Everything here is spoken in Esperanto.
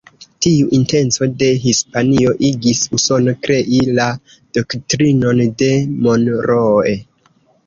Tiu intenco de Hispanio igis Usono krei la Doktrinon de Monroe.